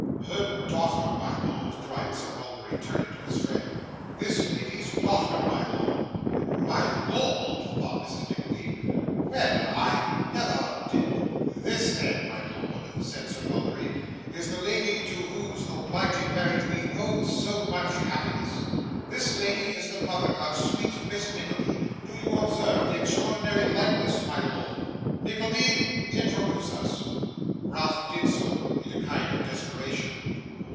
'Her daughter, my lord!' cried Sir Mulberry, turning to his friend. 'This lady's daughter, my lord.' 'My lord!' thought Mrs. Nickleby. 'Well, I never did ' 'This, then, my lord,' said Sir Mulberry, 'is the lady to whose obliging marriage we owe so much happiness. This lady is the mother of sweet Miss Nickleby. Do you observe the extraordinary likeness, my lord? Nickleby introduce us.' Ralph did so, in a kind of desperation.